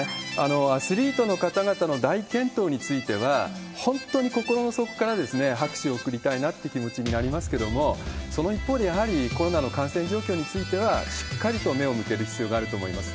アスリートの方々の大健闘については、本当に心の底から拍手を送りたいなって気持ちになりますけれども、その一方で、やはりコロナの感染状況については、しっかりと目を向ける必要があると思います。